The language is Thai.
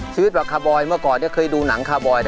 ชีวิตแบบคาบอยเมื่อก่อนเนี่ยเคยดูหนังคาบอยครับ